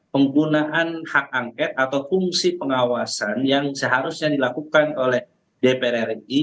penggunaan hak angket atau fungsi pengawasan yang seharusnya dilakukan oleh dpr ri